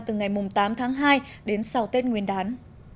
từ ngày tám tháng hai đến sau tết nguyên đán